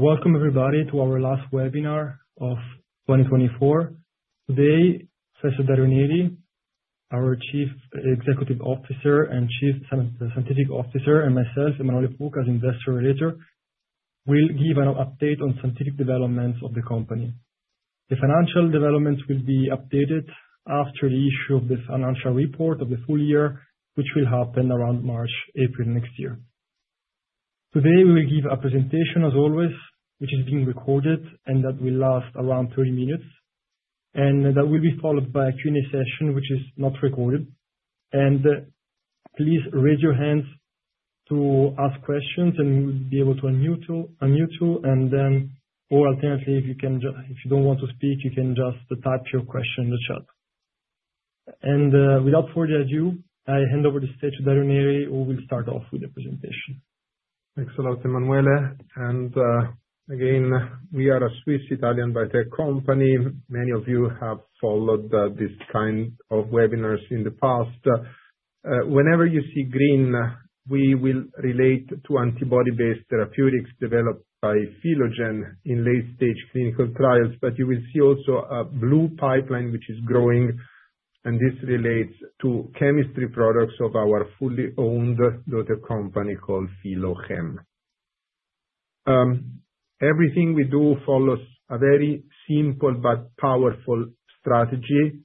Welcome, everybody, to our last webinar of 2024. Today, Dario Neri, our Chief Executive Officer and Chief Scientific Officer, and myself, Emanuele Puca, as Investor Relations, will give an update on scientific developments of the company. The financial developments will be updated after the issue of the financial report of the full year, which will happen around March, April next year. Today, we will give a presentation, as always, which is being recorded and that will last around 30 minutes, and that will be followed by a Q&A session, which is not recorded, and please raise your hands to ask questions, and we'll be able to unmute you, and then, or alternatively, if you don't want to speak, you can just type your question in the chat, and without further ado, I hand over the stage to Dario Neri, who will start off with the presentation. Thanks a lot, Emanuele. And again, we are a Swiss-Italian biotech company. Many of you have followed this kind of webinars in the past. Whenever you see green, we will relate to antibody-based therapeutics developed by Philogen in late-stage clinical trials, but you will see also a blue pipeline which is growing, and this relates to chemistry products of our fully-owned daughter company called Philochem. Everything we do follows a very simple but powerful strategy.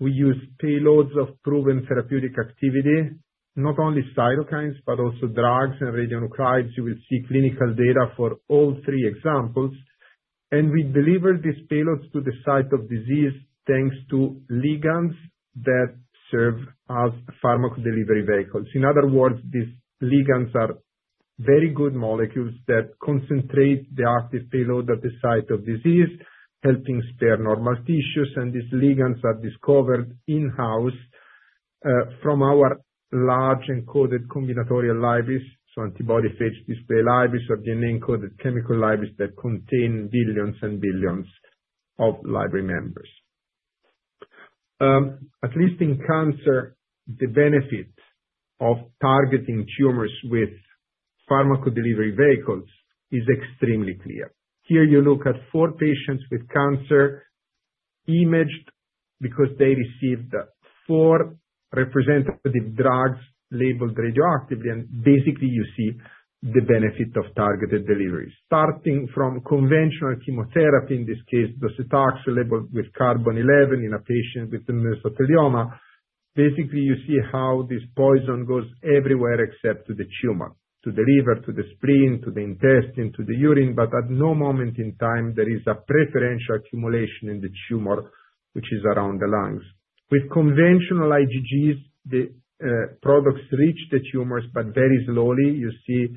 We use payloads of proven therapeutic activity, not only cytokines, but also drugs and radionuclides. You will see clinical data for all three examples. And we deliver these payloads to the site of disease thanks to ligands that serve as pharmacodelivery vehicles. In other words, these ligands are very good molecules that concentrate the active payload at the site of disease, helping spare normal tissues. These ligands are discovered in-house from our large encoded combinatorial libraries, so antibody phage display libraries or DNA-encoded chemical libraries that contain billions and billions of library members. At least in cancer, the benefit of targeting tumors with pharmacodelivery vehicles is extremely clear. Here you look at four patients with cancer imaged because they received four representative drugs labeled radioactively, and basically, you see the benefit of targeted delivery. Starting from conventional chemotherapy, in this case, docetaxel labeled with carbon-11 in a patient with mesothelioma, basically, you see how this poison goes everywhere except to the tumor, to the liver, to the spleen, to the intestine, to the urine, but at no moment in time there is a preferential accumulation in the tumor, which is around the lungs. With conventional IgGs, the products reach the tumors, but very slowly. You see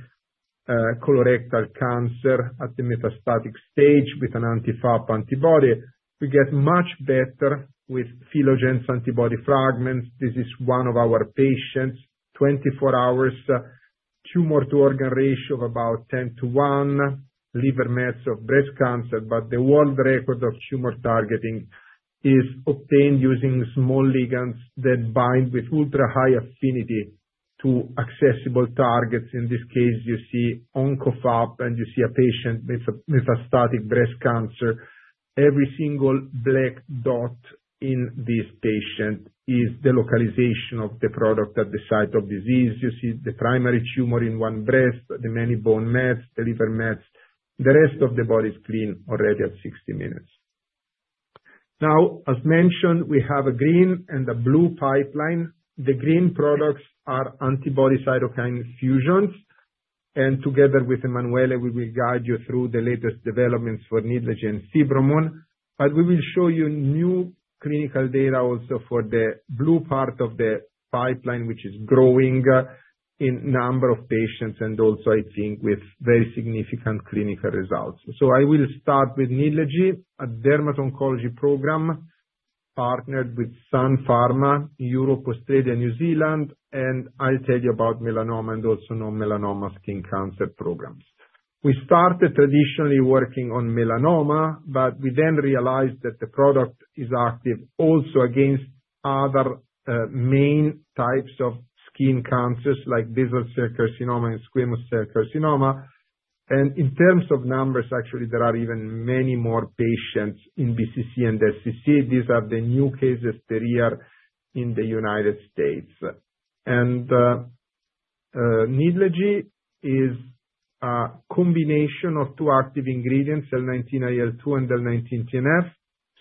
colorectal cancer at the metastatic stage with an anti-FAP antibody. We get much better with Philogen's antibody fragments. This is one of our patients, 24 hours, tumor-to-organ ratio of about 10 to 1, liver mets of breast cancer, but the world record of tumor targeting is obtained using small ligands that bind with ultra-high affinity to accessible targets. In this case, you see OncoFAP, and you see a patient with metastatic breast cancer. Every single black dot in this patient is the localization of the product at the site of disease. You see the primary tumor in one breast, the many bone mets, the liver mets. The rest of the body is clean already at 60 minutes. Now, as mentioned, we have a green and a blue pipeline. The green products are antibody cytokine fusions, and together with Emanuele, we will guide you through the latest developments for Nidlegy Fibromun, but we will show you new clinical data also for the blue part of the pipeline, which is growing in number of patients and also, I think, with very significant clinical results. So I will start with Nidlegy, a dermatoncology program partnered with Sun Pharma, Europe, Australia, New Zealand, and I'll tell you about melanoma and also non-melanoma skin cancer programs. We started traditionally working on melanoma, but we then realized that the product is active also against other main types of skin cancers like basal cell carcinoma and squamous cell carcinoma. And in terms of numbers, actually, there are even many more patients in BCC and SCC. These are the new cases per year in the United States. Nidlegy is a combination of two active ingredients, L19IL2 and L19TNF.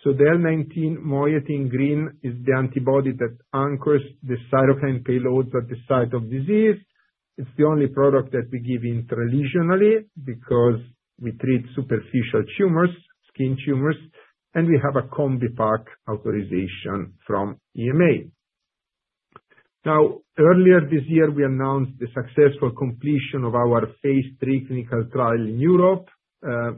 So the L19 moiety in green is the antibody that anchors the cytokine payloads at the site of disease. It's the only product that we give intralesionally because we treat superficial tumors, skin tumors, and we have a combination pack authorization from EMA. Now, earlier this year, we announced the successful completion of our phase III clinical trial in Europe.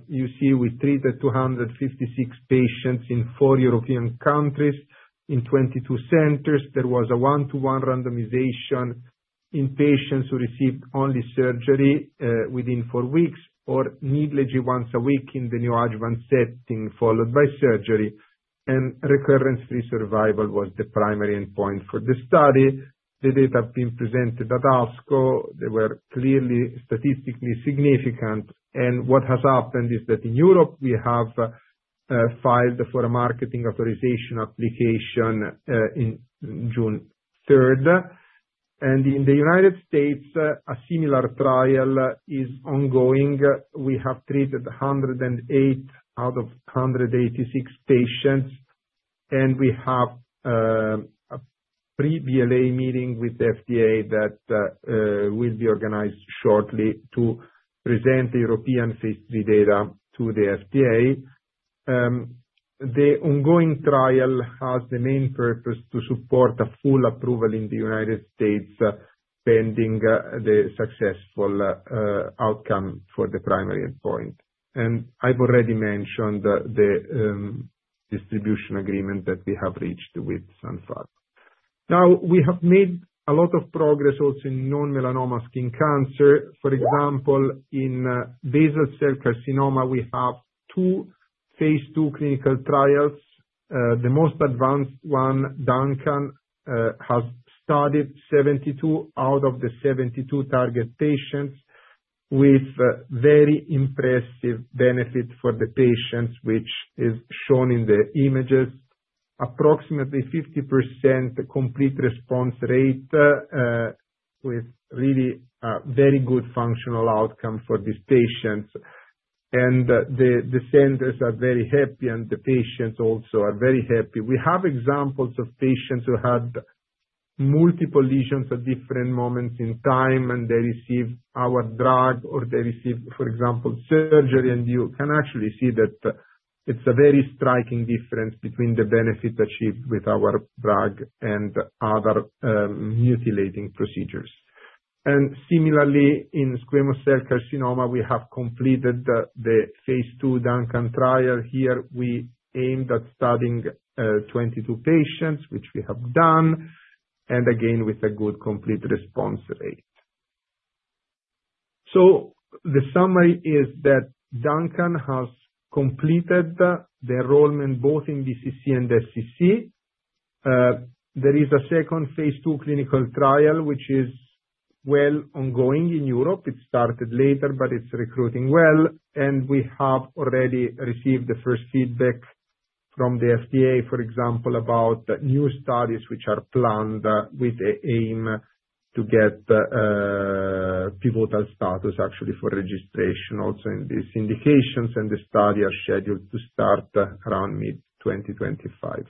You see, we treated 256 patients in four European countries in 22 centers. There was a one-to-one randomization in patients who received only surgery within four weeks or Nidlegy once a week in the neoadjuvant setting followed by surgery. Recurrence-free survival was the primary endpoint for the study. The data have been presented at ASCO. They were clearly statistically significant. What has happened is that in Europe, we have filed for a Marketing Authorization Application on June 3rd. In the United States, a similar trial is ongoing. We have treated 108 out of 186 patients, and we have a pre-BLA meeting with the FDA that will be organized shortly to present the European phase III data to the FDA. The ongoing trial has the main purpose to support a full approval in the United States pending the successful outcome for the primary endpoint. I've already mentioned the distribution agreement that we have reached with Sun Pharma. Now, we have made a lot of progress also in non-melanoma skin cancer. For example, in basal cell carcinoma, we have two phase II clinical trials. The most advanced one, DUNCAN, has studied 72 out of the 72 target patients with very impressive benefit for the patients, which is shown in the images. Approximately 50% complete response rate with really very good functional outcome for these patients. And the centers are very happy, and the patients also are very happy. We have examples of patients who had multiple lesions at different moments in time, and they received our drug, or they received, for example, surgery, and you can actually see that it's a very striking difference between the benefit achieved with our drug and other mutilating procedures. And similarly, in squamous cell carcinoma, we have completed the phase II DUNCAN trial. Here, we aimed at studying 22 patients, which we have done, and again, with a good complete response rate. So the summary is that DUNCAN has completed the enrollment both in BCC and SCC. There is a second phase II clinical trial, which is well ongoing in Europe. It started later, but it's recruiting well, and we have already received the first feedback from the FDA, for example, about new studies which are planned with the aim to get pivotal status actually for registration also in these indications, and the study is scheduled to start around mid-2025.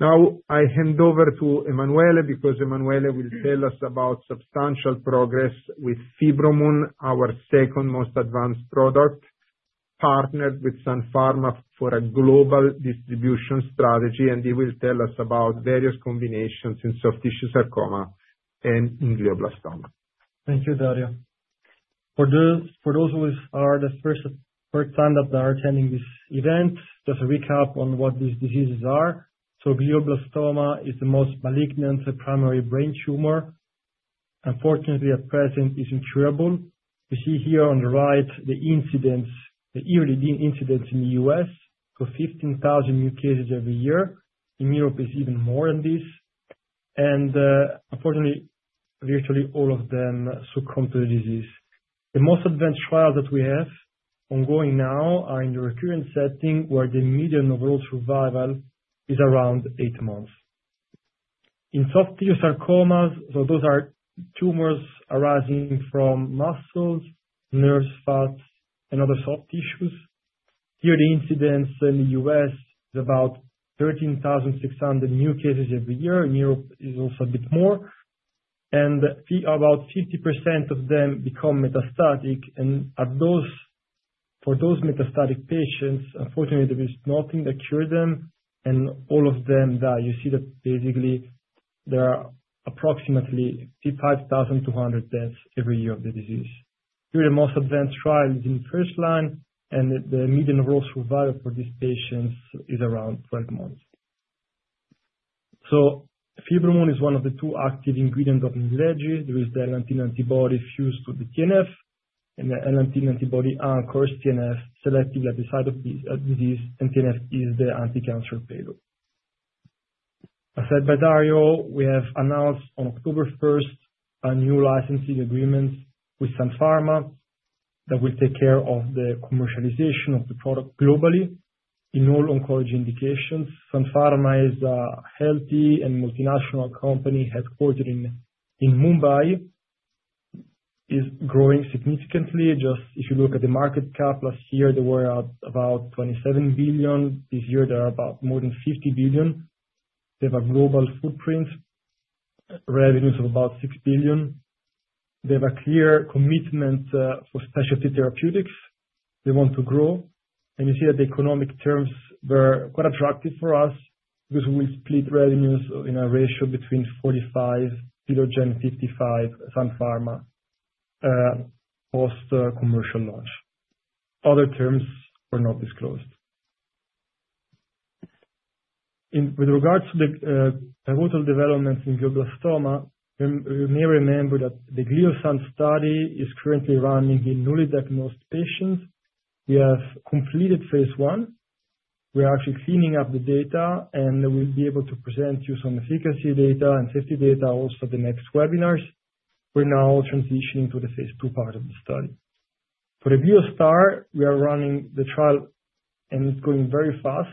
Now, I hand over to Emanuele because Emanuele will tell us about substantial progress with FIBROMUN, our second most advanced product partnered with Sun Pharma for a global distribution strategy, and he will tell us about various combinations in soft tissue sarcoma and glioblastoma. Thank you, Dario. For those who are for the first time attending this event, just a recap on what these diseases are. Glioblastoma is the most malignant primary brain tumor. Unfortunately, at present, it is incurable. You see here on the right the incidence, the yearly incidence in the U.S. for 15,000 new cases every year. In Europe, it's even more than this. And unfortunately, virtually all of them succumb to the disease. The most advanced trials that we have ongoing now are in the recurrent setting where the median overall survival is around eight months. In soft tissue sarcomas, so those are tumors arising from muscles, nerves, fats, and other soft tissues. Here, the incidence in the U.S. is about 13,600 new cases every year. In Europe, it is also a bit more. And about 50% of them become metastatic. For those metastatic patients, unfortunately, there is nothing that cures them, and all of them die. You see that basically there are approximately 5,200 deaths every year of the disease. Here, the most advanced trial is in the first line, and the median overall survival for these patients is around 12 months. FIBROMUN is one of the two active ingredients of Nidlegy. There is the L19 antibody fused to the TNF, and the L19 antibody anchors TNF selectively at the site of disease, and TNF is the anti-cancer payload. As said by Dario, we have announced on October 1st a new licensing agreement with Sun Pharma that will take care of the commercialization of the product globally in all oncology indications. Sun Pharma is a healthy and multinational company headquartered in Mumbai. It's growing significantly. Just if you look at the market cap last year, they were at about $27 billion. This year, they are about more than $50 billion. They have a global footprint, revenues of about $6 billion. They have a clear commitment for specialty therapeutics. They want to grow. And you see that the economic terms were quite attractive for us because we will split revenues in a ratio between 45, Philogen, 55, Sun Pharma post-commercial launch. Other terms were not disclosed. With regards to the pivotal developments in glioblastoma, you may remember that the GLIOSUN study is currently running in newly diagnosed patients. We have completed phase I. We're actually cleaning up the data, and we'll be able to present you some efficacy data and safety data also at the next webinars. We're now transitioning to the phase II part of the study. For the GLIOSTAR, we are running the trial, and it's going very fast.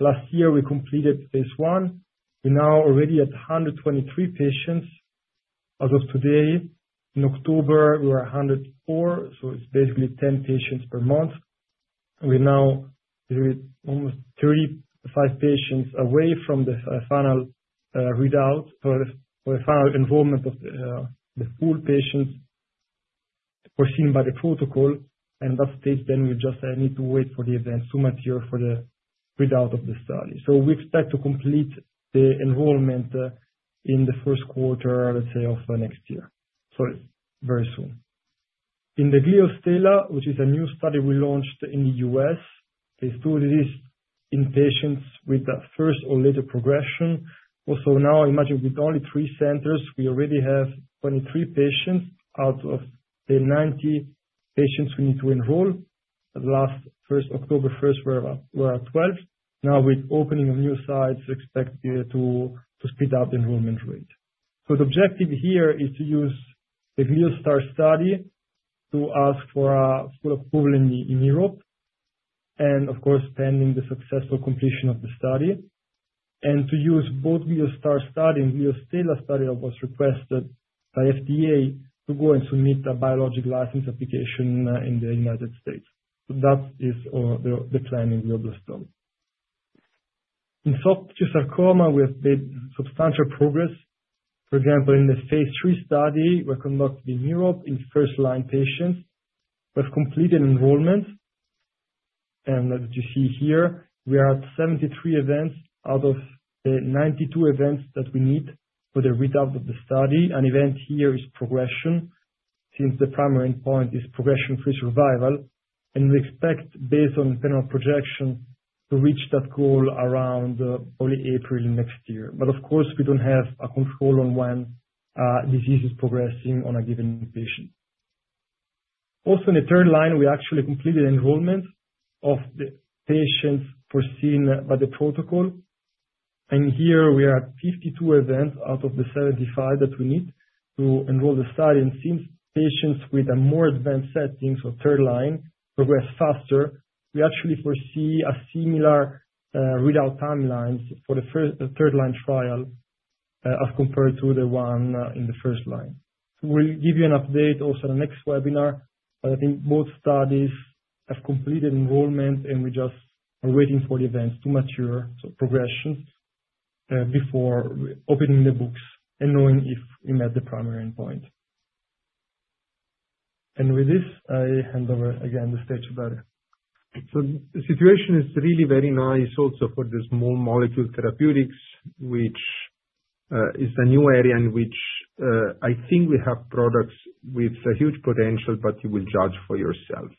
Last year, we completed phase 1. We're now already at 123 patients. As of today, in October, we were 104, so it's basically 10 patients per month. We're now almost 35 patients away from the final readout, the final involvement of the full patients foreseen by the protocol. And at that stage, then we just need to wait for the events too much here for the readout of the study. So we expect to complete the enrollment in the first quarter, let's say, of next year. So it's very soon. In the GLIOSTELLA, which is a new study we launched in the U.S., phase 2 disease in patients with first or later progression. Also, now, imagine with only three centers, we already have 23 patients out of the 90 patients we need to enroll. Last October 1st, we were at 12. Now, with opening of new sites, we expect to speed up the enrollment rate. So the objective here is to use the GLIOSTAR study to ask for full approval in Europe and, of course, pending the successful completion of the study, and to use both GLIOSTAR study and GLIOSTELLA study that was requested by FDA to go and submit a biologic license application in the United States. So that is the plan in glioblastoma. In soft tissue sarcoma, we have made substantial progress. For example, in the phase III study we're conducting in Europe in first-line patients, we've completed enrollment. And as you see here, we are at 73 events out of the 92 events that we need for the readout of the study. An event here is progression since the primary endpoint is progression-free survival. We expect, based on the final projection, to reach that goal around early April next year. Of course, we don't have a control on when disease is progressing on a given patient. Also, in the third line, we actually completed enrollment of the patients foreseen by the protocol. Here, we are at 52 events out of the 75 that we need to enroll the study. Since patients with a more advanced setting, so third line, progress faster, we actually foresee a similar readout timeline for the third-line trial as compared to the one in the first line. We'll give you an update also on the next webinar, but I think both studies have completed enrollment, and we just are waiting for the events to mature, so progression before opening the books and knowing if we met the primary endpoint. With this, I hand over again the stage to Dario. The situation is really very nice also for the small molecule therapeutics, which is a new area in which I think we have products with a huge potential, but you will judge for yourself.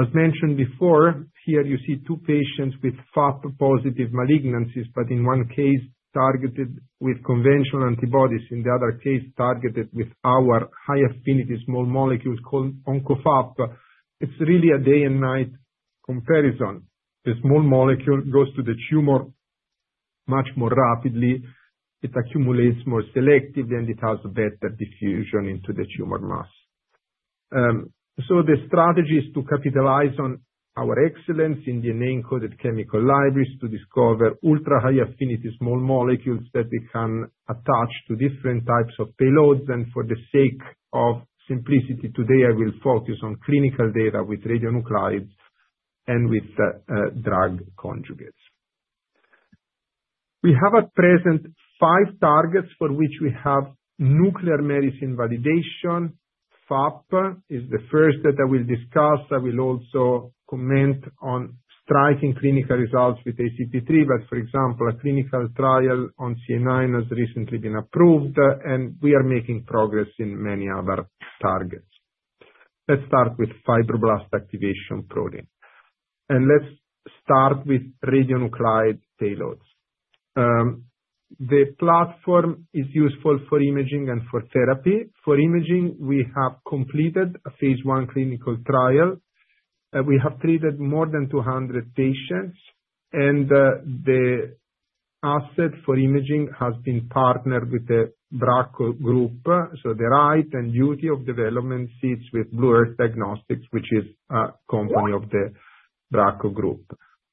As mentioned before, here you see two patients with FAP-positive malignancies, but in one case targeted with conventional antibodies, in the other case targeted with our high-affinity small molecules called OncoFAP. It's really a day and night comparison. The small molecule goes to the tumor much more rapidly. It accumulates more selectively, and it has better diffusion into the tumor mass. The strategy is to capitalize on our excellence in DNA-encoded chemical libraries to discover ultra-high-affinity small molecules that we can attach to different types of payloads. For the sake of simplicity, today I will focus on clinical data with radionuclides and with drug conjugates. We have at present five targets for which we have nuclear medicine validation. FAP is the first that I will discuss. I will also comment on striking clinical results with ACP3, but for example, a clinical trial on CAIX has recently been approved, and we are making progress in many other targets. Let's start with fibroblast activation protein. Let's start with radionuclide payloads. The platform is useful for imaging and for therapy. For imaging, we have completed a phase I clinical trial. We have treated more than 200 patients, and the asset for imaging has been partnered with the Bracco Group. So the right and duty of development sits with Blue Earth Diagnostics, which is a company of the Bracco Group.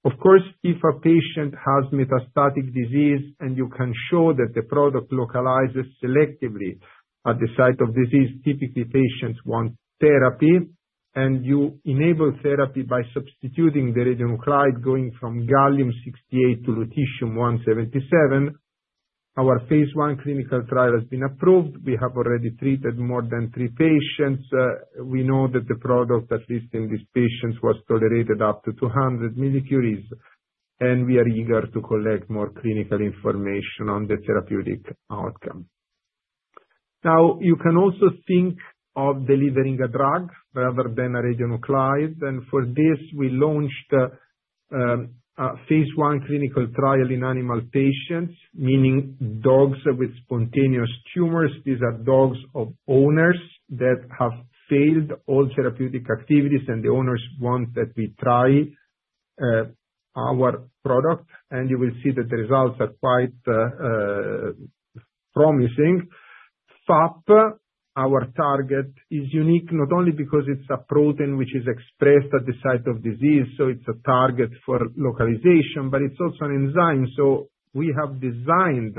Of course, if a patient has metastatic disease and you can show that the product localizes selectively at the site of disease, typically patients want therapy, and you enable therapy by substituting the radionuclide going from gallium-68 to lutetium-177, our phase I clinical trial has been approved. We have already treated more than three patients. We know that the product, at least in these patients, was tolerated up to 200 mCi. And we are eager to collect more clinical information on the therapeutic outcome. Now, you can also think of delivering a drug rather than a radionuclide. And for this, we launched a phase I clinical trial in animal patients, meaning dogs with spontaneous tumors. These are dogs of owners that have failed all therapeutic activities, and the owners want that we try our product. And you will see that the results are quite promising. FAP, our target, is unique not only because it's a protein which is expressed at the site of disease, so it's a target for localization, but it's also an enzyme. So we have designed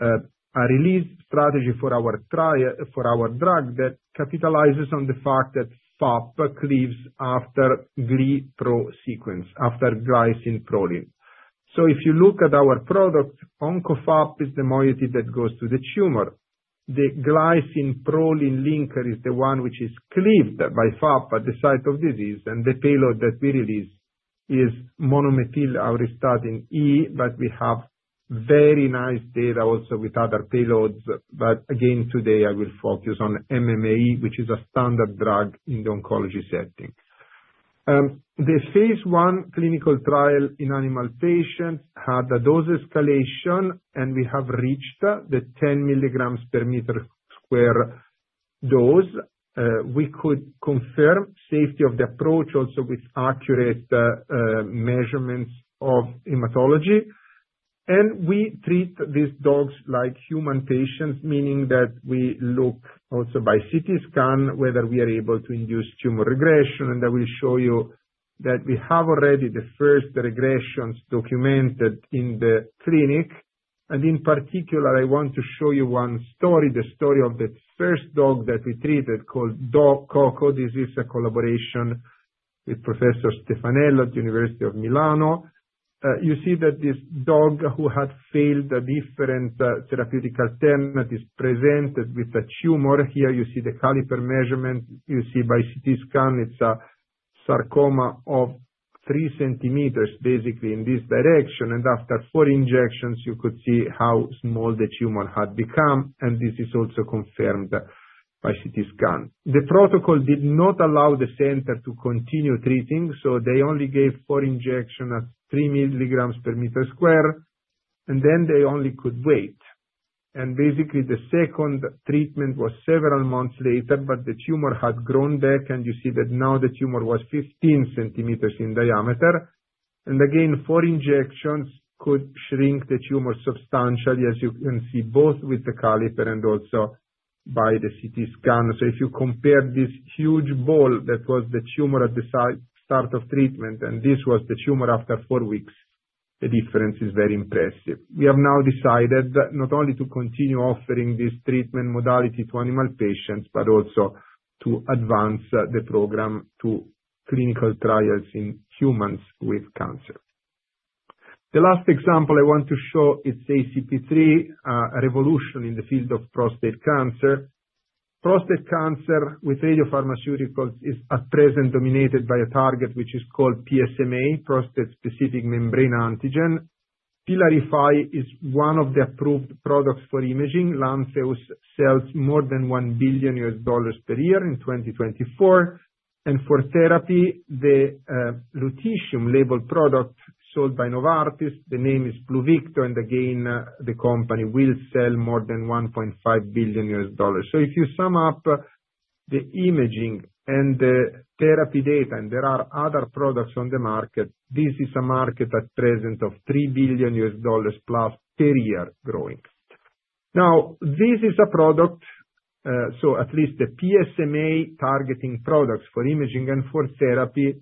a release strategy for our drug that capitalizes on the fact that FAP cleaves after GlyPro sequence, after glycine proline. So if you look at our product, OncoFAP is the molecule that goes to the tumor. The glycine proline linker is the one which is cleaved by FAP at the site of disease. And the payload that we release is monomethyl auristatin E, but we have very nice data also with other payloads. But again, today, I will focus on MMAE, which is a standard drug in the oncology setting. The phase I clinical trial in animal patients had a dose escalation, and we have reached the 10 mg/sq m dose. We could confirm safety of the approach also with accurate measurements of hematology, and we treat these dogs like human patients, meaning that we look also by CT scan whether we are able to induce tumor regression, and I will show you that we have already the first regressions documented in the clinic, and in particular, I want to show you one story, the story of the first dog that we treated called Coco this is, a collaboration with Professor Stefanello at the University of Milan. You see that this dog who had failed different therapeutic alternatives presented with a tumor. Here you see the caliper measurement. You see by CT scan it's a sarcoma of three centimeters, basically in this direction, and after four injections, you could see how small the tumor had become, and this is also confirmed by CT scan. The protocol did not allow the center to continue treating, so they only gave four injections at three milligrams per square meter. And then they only could wait. And basically, the second treatment was several months later, but the tumor had grown back. And you see that now the tumor was 15 centimeters in diameter. And again, four injections could shrink the tumor substantially, as you can see both with the caliper and also by the CT scan. So if you compare this huge ball that was the tumor at the start of treatment and this was the tumor after four weeks, the difference is very impressive. We have now decided not only to continue offering this treatment modality to animal patients, but also to advance the program to clinical trials in humans with cancer. The last example I want to show is ACP3, a revolution in the field of prostate cancer. Prostate cancer with radiopharmaceuticals is at present dominated by a target which is called PSMA, prostate-specific membrane antigen. PYLARIFY is one of the approved products for imaging. Lantheus sells more than $1 billion per year in 2024. And for therapy, the lutetium-labeled product sold by Novartis, the name is PLUVICTO. And again, the company will sell more than $1.5 billion. So if you sum up the imaging and the therapy data, and there are other products on the market, this is a market at present of $3 billion plus per year growing. Now, this is a product, so at least the PSMA-targeting products for imaging and for therapy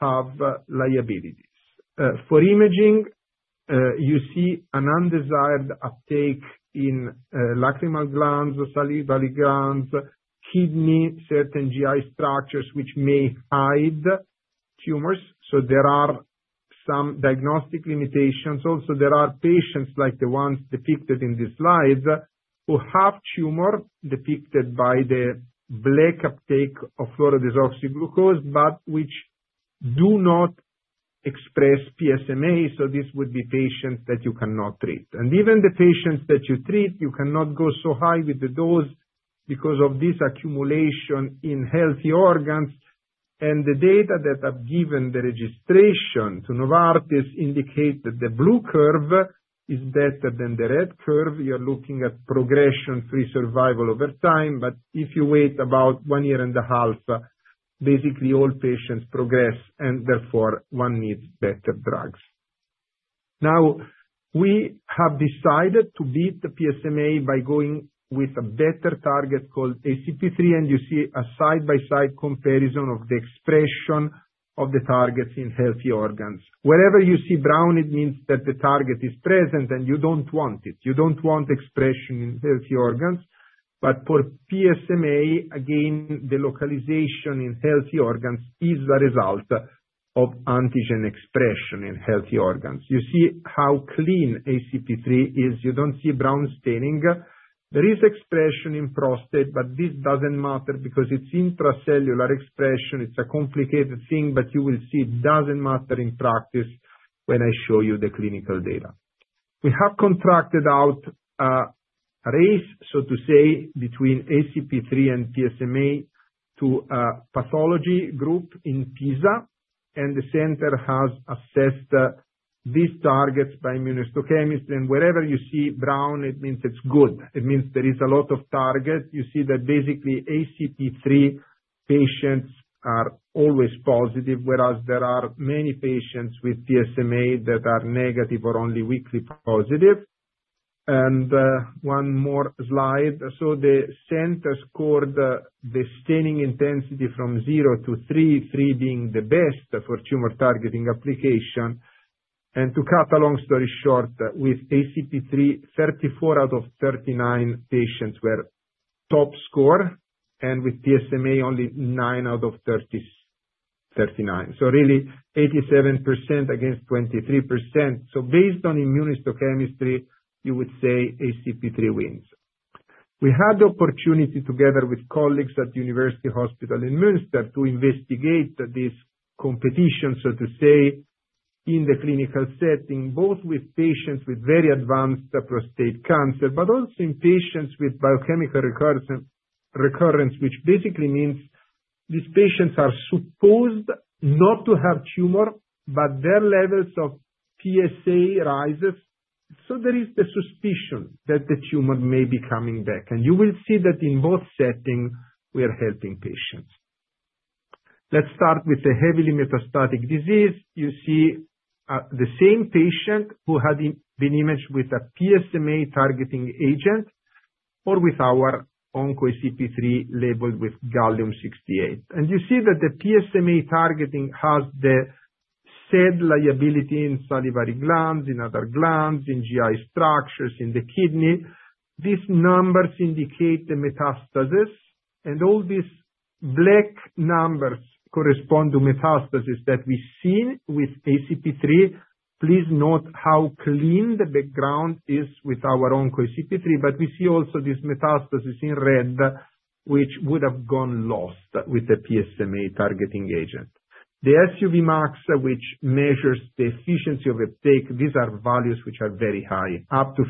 have liabilities. For imaging, you see an undesired uptake in lacrimal glands, salivary glands, kidney, certain GI structures which may hide tumors. There are some diagnostic limitations. Also, there are patients like the ones depicted in these slides who have tumor depicted by the black uptake of fluorodeoxyglucose, but which do not express PSMA. This would be patients that you cannot treat. Even the patients that you treat, you cannot go so high with the dose because of this accumulation in healthy organs. The data that I've given, the registration to Novartis, indicate that the blue curve is better than the red curve. You're looking at progression-free survival over time. If you wait about one year and a half, basically all patients progress, and therefore one needs better drugs. We have decided to beat the PSMA by going with a better target called ACP3. You see a side-by-side comparison of the expression of the targets in healthy organs. Wherever you see brown, it means that the target is present, and you don't want it. You don't want expression in healthy organs. But for PSMA, again, the localization in healthy organs is the result of antigen expression in healthy organs. You see how clean ACP3 is. You don't see brown staining. There is expression in prostate, but this doesn't matter because it's intracellular expression. It's a complicated thing, but you will see it doesn't matter in practice when I show you the clinical data. We have contracted out a race, so to say, between ACP3 and PSMA to a pathology group in Pisa. And the center has assessed these targets by immunohistochemistry. And wherever you see brown, it means it's good. It means there is a lot of target. You see that basically ACP3 patients are always positive, whereas there are many patients with PSMA that are negative or only weakly positive. And one more slide. So the center scored the staining intensity from 0 to 3, 3 being the best for tumor targeting application. And to cut a long story short, with ACP3, 34 out of 39 patients were top score. And with PSMA, only nine out of 39. So really 87% against 23%. So based on immunohistochemistry, you would say ACP3 wins. We had the opportunity together with colleagues at the University Hospital in Münster to investigate this competition, so to say, in the clinical setting, both with patients with very advanced prostate cancer, but also in patients with biochemical recurrence, which basically means these patients are supposed not to have tumor, but their levels of PSA rise. There is the suspicion that the tumor may be coming back. You will see that in both settings, we are helping patients. Let's start with the heavily metastatic disease. You see the same patient who had been imaged with a PSMA-targeting agent or with our OncoACP3 labeled with gallium-68. You see that the PSMA targeting has the said liability in salivary glands, in other glands, in GI structures, in the kidney. These numbers indicate the metastasis. All these black numbers correspond to metastasis that we see with ACP3. Please note how clean the background is with our OncoACP3. We see also this metastasis in red, which would have gone lost with the PSMA-targeting agent. The SUV max, which measures the efficiency of uptake, these are values which are very high, up to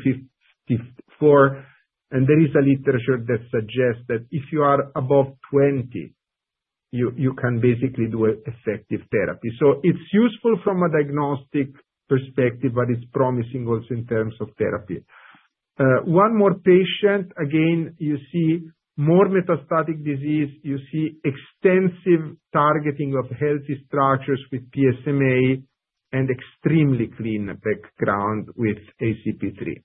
54. There is a literature that suggests that if you are above 20, you can basically do effective therapy. So it's useful from a diagnostic perspective, but it's promising also in terms of therapy. One more patient. Again, you see more metastatic disease. You see extensive targeting of healthy structures with PSMA and extremely clean background with ACP3.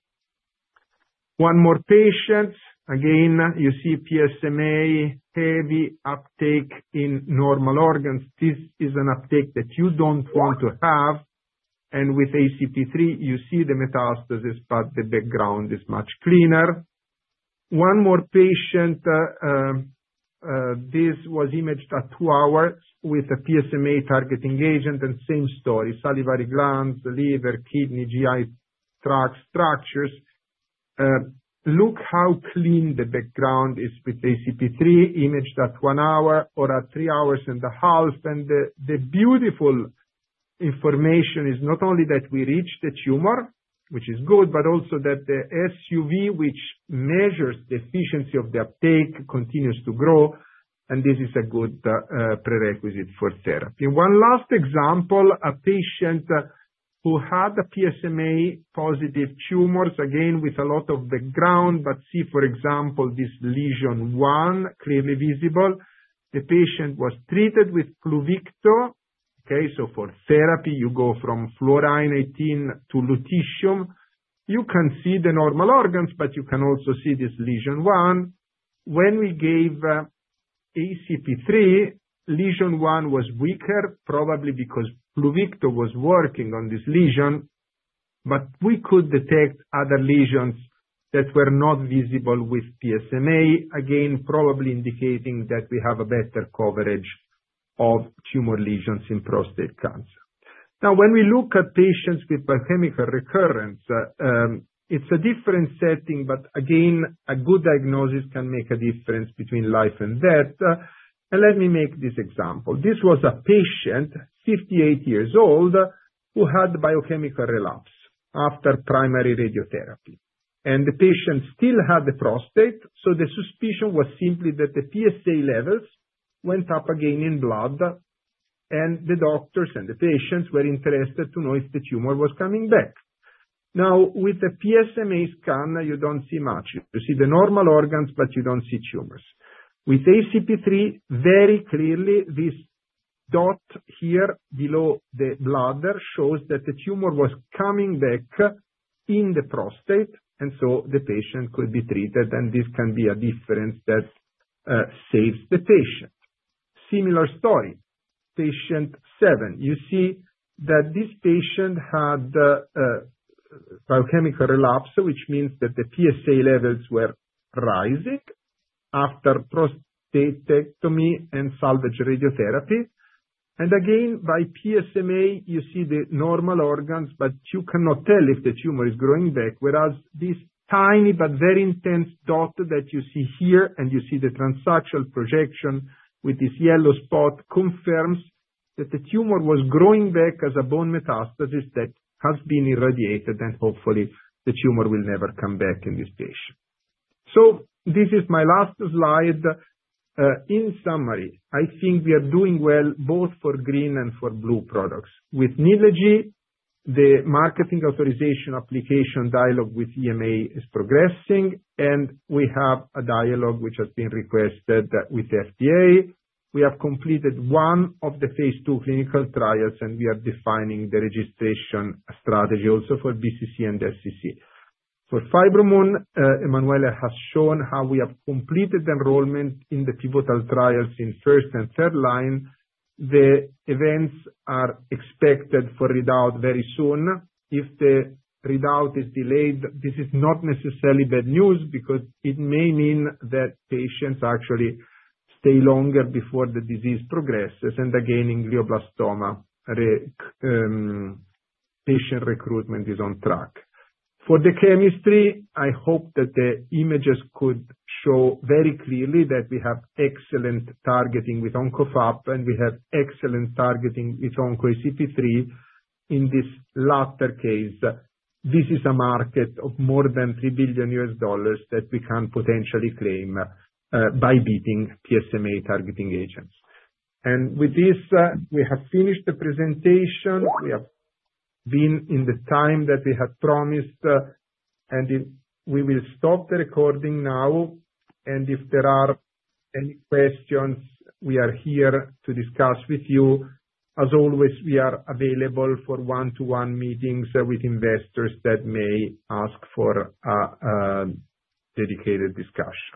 One more patient. Again, you see PSMA, heavy uptake in normal organs. This is an uptake that you don't want to have. And with ACP3, you see the metastasis, but the background is much cleaner. One more patient. This was imaged at two hours with a PSMA-targeting agent and same story, salivary glands, liver, kidney, GI tract structures. Look how clean the background is with ACP3, imaged at one hour or at three hours and a half. The beautiful information is not only that we reached the tumor, which is good, but also that the SUV, which measures the efficiency of the uptake, continues to grow. This is a good prerequisite for therapy. One last example, a patient who had PSMA-positive tumors, again with a lot of background, but see, for example, this lesion one, clearly visible. The patient was treated with PLUVICTO. Okay, so for therapy, you go from fluorine-18 to lutetium. You can see the normal organs, but you can also see this lesion one. When we gave ACP3, lesion one was weaker, probably because PLUVICTO was working on this lesion. But we could detect other lesions that were not visible with PSMA, again, probably indicating that we have a better coverage of tumor lesions in prostate cancer. Now, when we look at patients with biochemical recurrence, it's a different setting. But again, a good diagnosis can make a difference between life and death. And let me make this example. This was a patient, 58 years old, who had biochemical relapse after primary radiotherapy. And the patient still had the prostate. So the suspicion was simply that the PSA levels went up again in blood. And the doctors and the patients were interested to know if the tumor was coming back. Now, with the PSMA scan, you don't see much. You see the normal organs, but you don't see tumors. With ACP3, very clearly, this dot here below the bladder shows that the tumor was coming back in the prostate. And so the patient could be treated. And this can be a difference that saves the patient. Similar story, patient seven. You see that this patient had biochemical relapse, which means that the PSA levels were rising after prostatectomy and salvage radiotherapy, and again, by PSMA, you see the normal organs, but you cannot tell if the tumor is growing back. Whereas this tiny but very intense dot that you see here, and you see the transaxial projection with this yellow spot, confirms that the tumor was growing back as a bone metastasis that has been irradiated, and hopefully, the tumor will never come back in this patient, so this is my last slide. In summary, I think we are doing well both for green and for blue products. With Nidlegy, the marketing authorization application dialogue with EMA is progressing. And we have a dialogue which has been requested with FDA. We have completed one of the phase 2 clinical trials. We are defining the registration strategy also for BCC and SCC. For Fibromun, Emanuele has shown how we have completed enrollment in the pivotal trials in first and third line. The events are expected for readout very soon. If the readout is delayed, this is not necessarily bad news because it may mean that patients actually stay longer before the disease progresses. Again, in glioblastoma, patient recruitment is on track. For the chemistry, I hope that the images could show very clearly that we have excellent targeting with OncoFAP and we have excellent targeting with OncoACP3 in this latter case. This is a market of more than $3 billion that we can potentially claim by beating PSMA-targeting agents. With this, we have finished the presentation. We have been in the time that we had promised. We will stop the recording now. If there are any questions, we are here to discuss with you. As always, we are available for one-to-one meetings with investors that may ask for a dedicated discussion.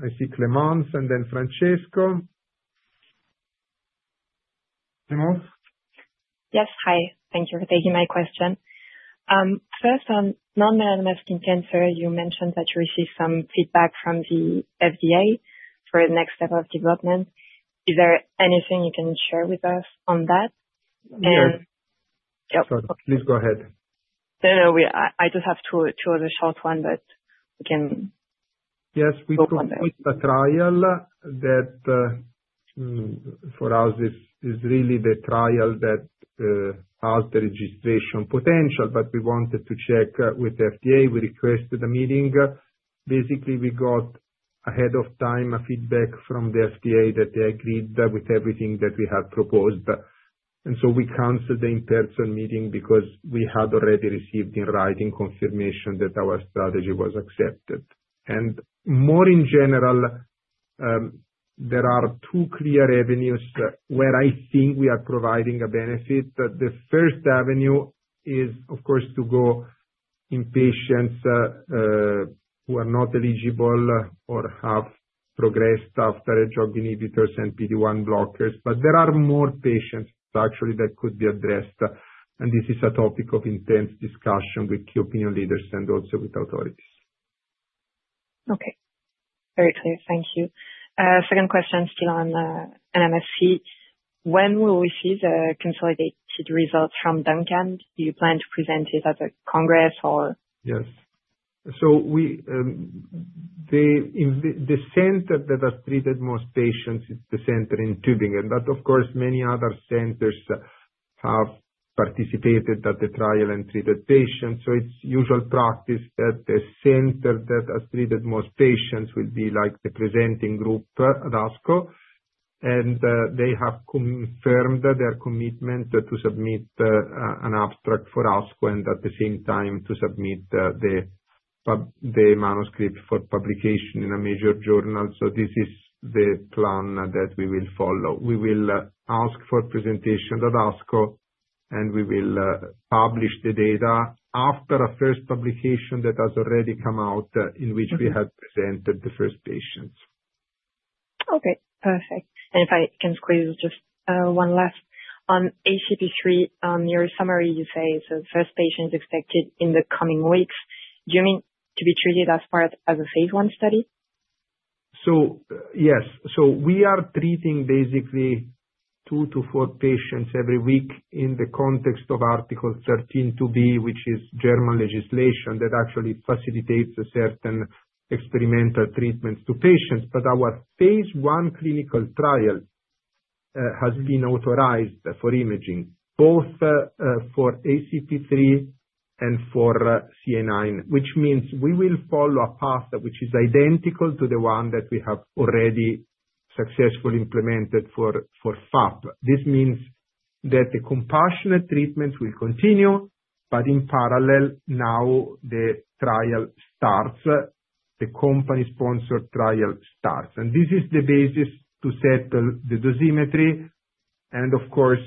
I see Clémence and then Francesco. Clémence? Yes, hi. Thank you for taking my question. First, on non-melanoma skin cancer, you mentioned that you received some feedback from the FDA for the next step of development. Is there anything you can share with us on that? Yes. Please go ahead. No, no. I just have two other short ones, but we can talk on them. Yes, we completed a trial that for us is really the trial that has the registration potential. But we wanted to check with the FDA. We requested a meeting. Basically, we got ahead of time feedback from the FDA that they agreed with everything that we had proposed. We canceled the in-person meeting because we had already received in writing confirmation that our strategy was accepted. More in general, there are two clear avenues where I think we are providing a benefit. The first avenue is, of course, to go in patients who are not eligible or have progressed after drug inhibitors and PD-1 blockers. But there are more patients actually that could be addressed. This is a topic of intense discussion with key opinion leaders and also with authorities. Okay. Very clear. Thank you. Second question still on NMSC. When will we see the consolidated results from DUNCAN? Do you plan to present it at a congress or? Yes. The center that has treated most patients is the center in Tübingen. But of course, many other centers have participated at the trial and treated patients. It's usual practice that the center that has treated most patients will be like the presenting group at ASCO. And they have confirmed their commitment to submit an abstract for ASCO and at the same time to submit the manuscript for publication in a major journal. This is the plan that we will follow. We will ask for presentation at ASCO, and we will publish the data after a first publication that has already come out in which we had presented the first patients. Okay. Perfect. And if I can squeeze just one last on ACP3, in your summary, you say the first patient is expected in the coming weeks. Do you mean to be treated as part of a phase 1 study? Yes. We are treating basically two to four patients every week in the context of Article 13(2)(b), which is German legislation that actually facilitates certain experimental treatments to patients. Our phase 1 clinical trial has been authorized for imaging, both for ACP3 and for CAIX, which means we will follow a path which is identical to the one that we have already successfully implemented for FAP. This means that the compassionate treatment will continue. In parallel, now the trial starts, the company-sponsored trial starts. This is the basis to set the dosimetry. Of course,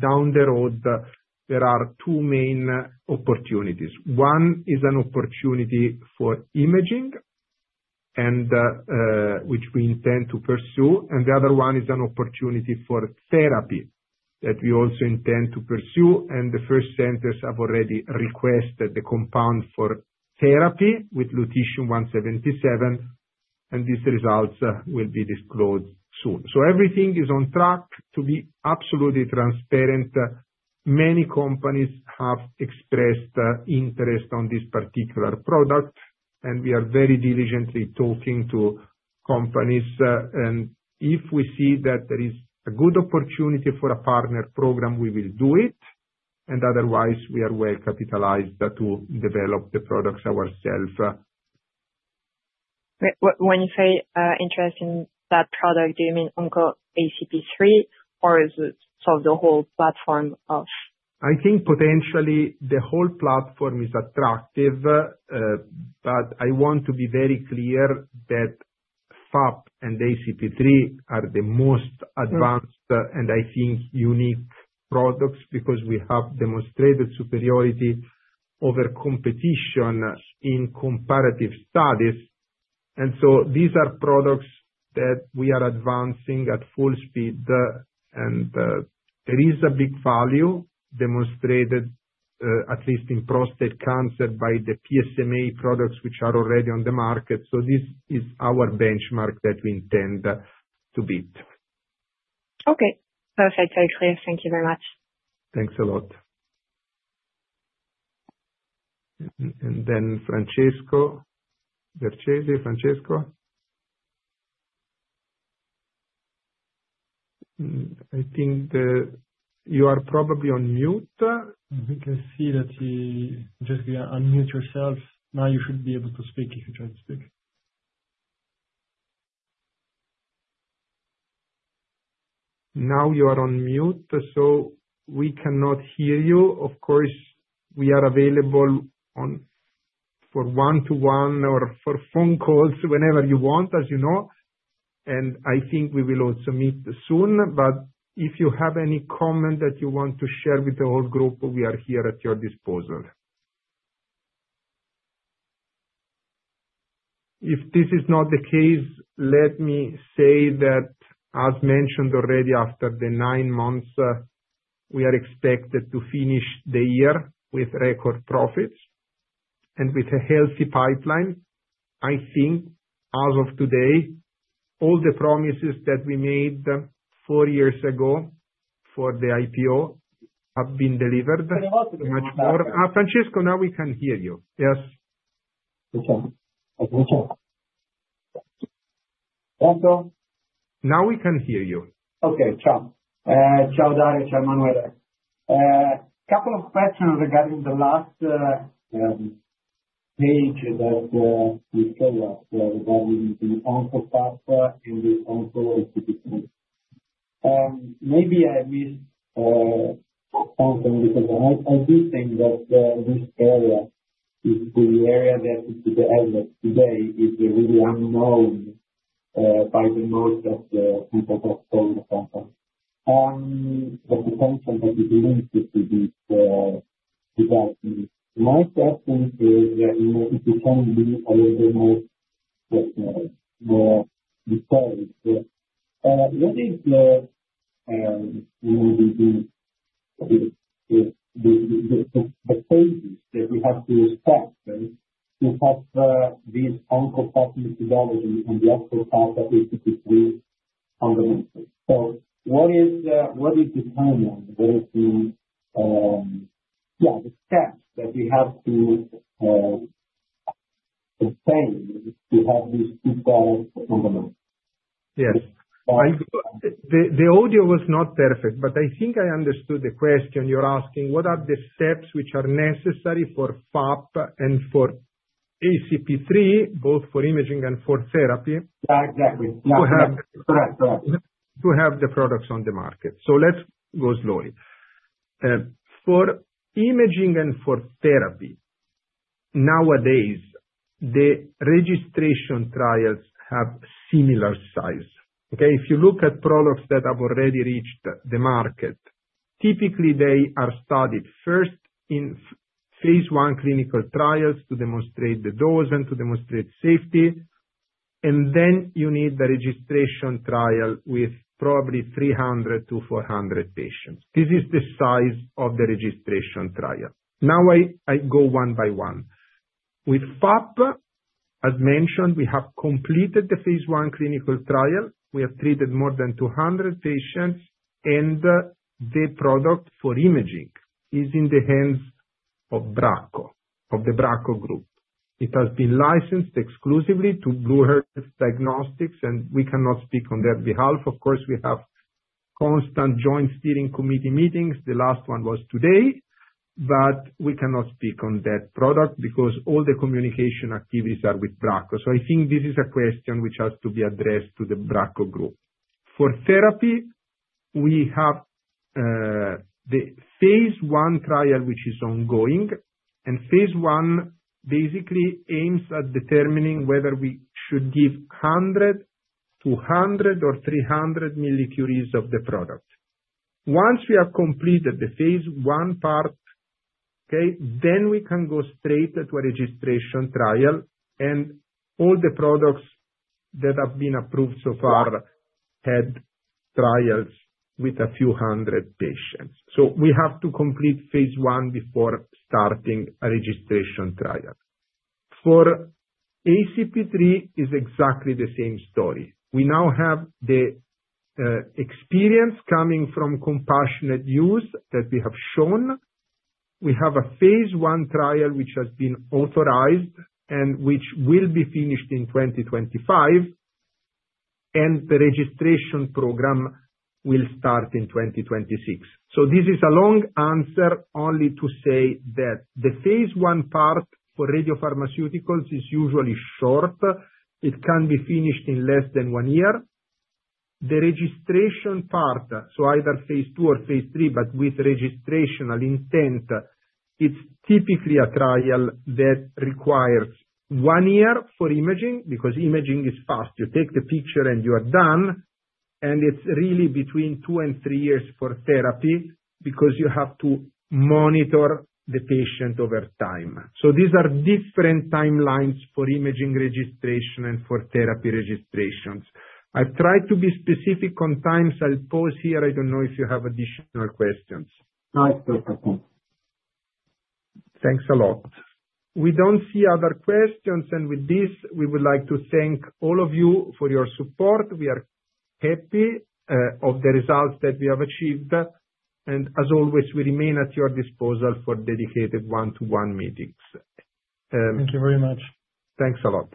down the road, there are two main opportunities. One is an opportunity for imaging, which we intend to pursue. The other one is an opportunity for therapy that we also intend to pursue. The first centers have already requested the compound for therapy with lutetium-177. And these results will be disclosed soon. So everything is on track to be absolutely transparent. Many companies have expressed interest on this particular product. And we are very diligently talking to companies. And if we see that there is a good opportunity for a partner program, we will do it. And otherwise, we are well capitalized to develop the products ourselves. When you say interest in that product, do you mean OncoACP3 or is it sort of the whole platform of? I think potentially the whole platform is attractive. But I want to be very clear that FAP and ACP3 are the most advanced and I think unique products because we have demonstrated superiority over competition in comparative studies. And so these are products that we are advancing at full speed. There is a big value demonstrated, at least in prostate cancer, by the PSMA products which are already on the market. This is our benchmark that we intend to beat. Okay. Perfect. Very clear. Thank you very much. Thanks a lot. Then Francesco, Francesco. I think you are probably on mute. I can see that you just unmuted yourself. Now you should be able to speak if you try to speak. Now you are on mute. We cannot hear you. Of course, we are available for one-to-one or for phone calls whenever you want, as you know. I think we will also meet soon. If you have any comment that you want to share with the whole group, we are here at your disposal. If this is not the case, let me say that, as mentioned already, after the nine months, we are expected to finish the year with record profits and with a healthy pipeline. I think as of today, all the promises that we made four years ago for the IPO have been delivered much more. Francesco, now we can hear you. Yes. Okay. I can hear you. Francesco? Now we can hear you. Okay. Ciao. Ciao, Dario. Ciao, Emanuele. A couple of questions regarding the last page that you showed us regarding the OncoFAP and the OncoACP3. Maybe I missed something because I do think that this area is the area that today is really unknown by most of the companies. The potential that is linked to these developments. My question is, if you can be a little bit more detailed, what is the phases that we have to respect to have this OncoFAP methodology and the OncoFAP ACP3 fundamentally? So what is the timeline? What is the steps that we have to obtain to have these two products fundamentally? Yes. The audio was not perfect. But I think I understood the question you're asking. What are the steps which are necessary for FAP and for ACP3, both for imaging and for therapy? Yeah, exactly. Correct. Correct. To have the products on the market. So let's go slowly. For imaging and for therapy, nowadays, the registration trials have similar size. Okay? If you look at products that have already reached the market, typically, they are studied first in phase 1 clinical trials to demonstrate the dose and to demonstrate safety. Then you need the registration trial with probably 300-400 patients. This is the size of the registration trial. Now I go one by one. With FAP, as mentioned, we have completed the phase 1 clinical trial. We have treated more than 200 patients. The product for imaging is in the hands of Bracco, of the Bracco Group. It has been licensed exclusively to Blue Earth Diagnostics. We cannot speak on their behalf. Of course, we have constant joint steering committee meetings. The last one was today. We cannot speak on that product because all the communication activities are with Bracco. I think this is a question which has to be addressed to the Bracco Group. For therapy, we have the phase 1 trial which is ongoing. And phase 1 basically aims at determining whether we should give 100-200 or 300 mCi of the product. Once we have completed the phase 1 part, okay, then we can go straight to a registration trial. And all the products that have been approved so far had trials with a few hundred patients. So we have to complete phase 1 before starting a registration trial. For ACP3, it is exactly the same story. We now have the experience coming from compassionate use that we have shown. We have a phase 1 trial which has been authorized and which will be finished in 2025. And the registration program will start in 2026. So this is a long answer only to say that the phase 1 part for radiopharmaceuticals is usually short. It can be finished in less than one year. The registration part, so either phase 2 or phase 3, but with registrational intent, it's typically a trial that requires one year for imaging because imaging is fast. You take the picture and you are done, and it's really between two and three years for therapy because you have to monitor the patient over time, so these are different timelines for imaging registration and for therapy registrations. I've tried to be specific on times. I'll pause here. I don't know if you have additional questions. No, it's good. Thanks. Thanks a lot. We don't see other questions, and with this, we would like to thank all of you for your support. We are happy with the results that we have achieved, and as always, we remain at your disposal for dedicated one-to-one meetings. Thank you very much. Thanks a lot.